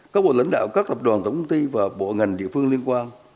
các bộ lãnh đạo các tập đoàn tổng công ty và bộ ngành địa phương liên quan